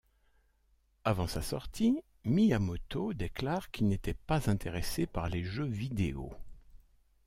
Avant sa sortie, Miyamoto déclare qu'il n'était pas intéressé par les jeux vidéo.